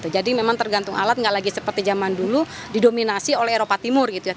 jadi memang tergantung alat gak lagi seperti zaman dulu didominasi oleh eropa timur gitu ya